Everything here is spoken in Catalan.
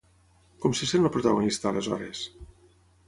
Com se sent el protagonista, aleshores?